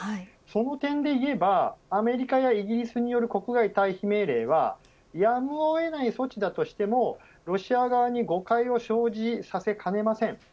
その点で言えば、アメリカやイギリスによる国外退避命令はやむを得ない措置だとしてもロシア側に誤解を生じさせかねません。